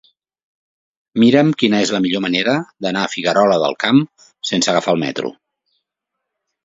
Mira'm quina és la millor manera d'anar a Figuerola del Camp sense agafar el metro.